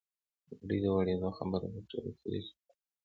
د ډوډۍ د ورېدو خبره په ټول کلي کې خپره شوه.